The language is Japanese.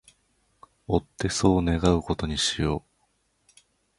追ってそう願う事にしよう